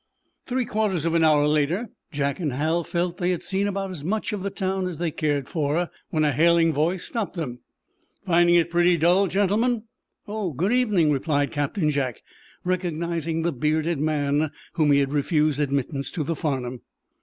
Three quarters of an hour later Jack and Hal felt they had seen about as much of the town as they cared for, when a hailing voice stopped them. "Finding it pretty dull, gentlemen?" "Oh, good evening," replied Captain Jack, recognizing the bearded man whom he had refused admittance to the "Farnum."